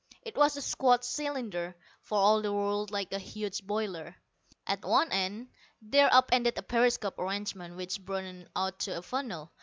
It was a squat cylinder, for all the world like a huge boiler. At one end there up ended a periscope arrangement which broadened out to a funnel.